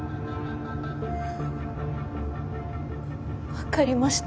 分かりました。